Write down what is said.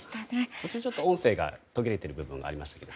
途中音声が途切れている部分がありました。